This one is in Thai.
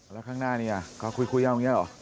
แล้วข้างหน้านี้เขาคุยเอาอย่างนี้หรอ